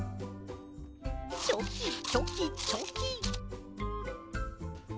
チョキチョキチョキ。